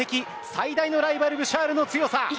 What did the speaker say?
最大のライバルブシャールの強さ。